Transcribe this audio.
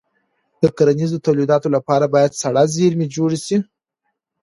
د کرنیزو تولیداتو لپاره باید سړه زېرمې جوړې شي.